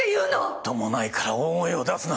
みっともないから大声を出すな。